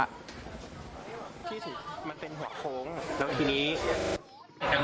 ที่ถึงมันเป็นหัวโค้ง